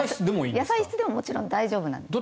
野菜室でももちろん大丈夫です。